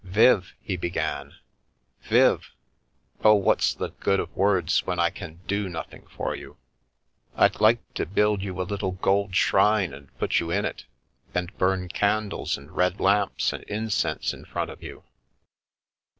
" Viv," he began, " Viv Oh, what's the good of words when I can do nothing for you? I'd like to build you a little gold shrine and put you in it, and burn candles and red lamps and incense in front of you.